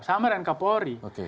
sama dengan kapolri